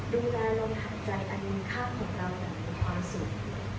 ดูแลลมหายใจอันมีค่าของเราอย่างมีความสุข